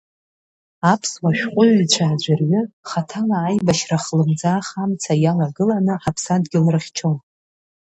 Аԥсуа шәҟәыҩҩцәа аӡәырҩы, хаҭала аибашьра хлымӡаах амца иалагыланы, ҳаԥсадгьыл рыхьчон…